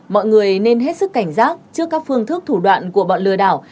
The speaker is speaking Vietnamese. mọi người nên hết sức cảnh giác trước các phương thức thủ đoạn của bọn lừa đảo